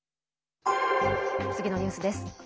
次のニュースです。